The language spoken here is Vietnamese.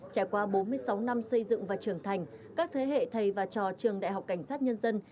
trải qua bốn mươi sáu năm xây dựng và trưởng thành các thế hệ thầy và trò trường đại học cảnh sát nhân dân